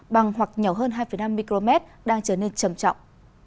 bằng hoặc nhỏ hơn hai năm micromet đang trở nên trầm trọng